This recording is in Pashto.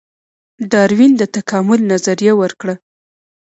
ډاروین د تکامل نظریه ورکړه